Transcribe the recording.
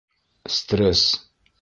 Стресс.